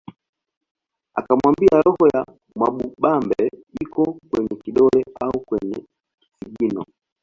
Akamwambia roho ya Mwamubambe iko kwenye kidole au kwenye kisigino